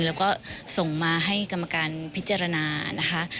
แล้วก็ส่งมาให้กรรมการพิจารณานะคะ